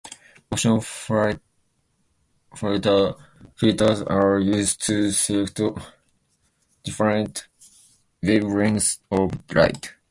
Optical filters are used to select different wavelengths of light.